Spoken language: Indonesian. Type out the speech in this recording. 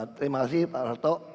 terima kasih pak rarto